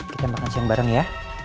kita makan siang bareng ya